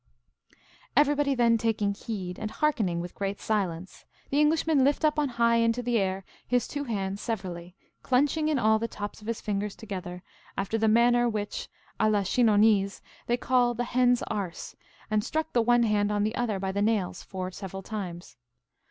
Everybody then taking heed, and hearkening with great silence, the Englishman lift up on high into the air his two hands severally, clunching in all the tops of his fingers together, after the manner which, a la Chinonnese, they call the hen's arse, and struck the one hand on the other by the nails four several times.